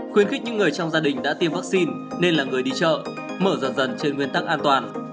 khuyến khích những người trong gia đình đã tiêm vaccine nên là người đi chợ mở dần trên nguyên tắc an toàn